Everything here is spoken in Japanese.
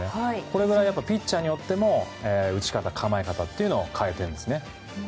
これぐらいピッチャーによっても打ち方、構え方を変えてるんですね。